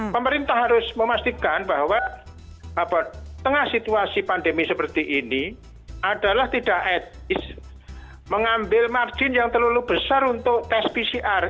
pemerintah harus memastikan bahwa tengah situasi pandemi seperti ini adalah tidak mengambil margin yang terlalu besar untuk tes pcr